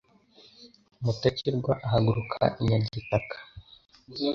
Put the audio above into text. Mutakirwa ahaguruka i Nyagitaka,